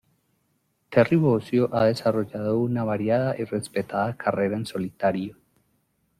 Terry Bozzio ha desarrollado una variada y respetada carrera en solitario.